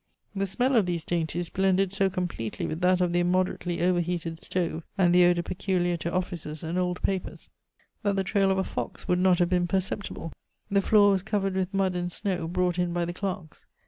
The smell of these dainties blended so completely with that of the immoderately overheated stove and the odor peculiar to offices and old papers, that the trail of a fox would not have been perceptible. The floor was covered with mud and snow, brought in by the clerks.